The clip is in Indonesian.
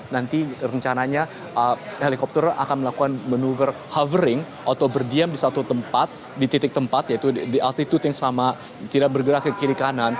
nanti rencananya helikopter akan melakukan manuver hovering atau berdiam di satu tempat di titik tempat yaitu di altitude yang sama tidak bergerak ke kiri kanan